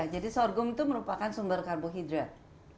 sorghum itu merupakan sumber karbohidrat